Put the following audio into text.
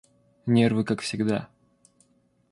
Нервы как всегда.